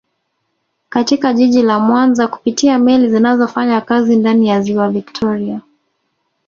Katika jiji la Mwanza kupitia meli zinazofanya kazi ndani ya ziwa viktoria